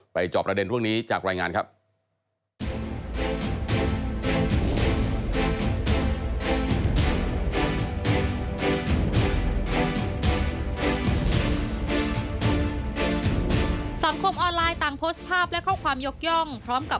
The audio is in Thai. จอบประเด็นเรื่องนี้จากรายงานครับ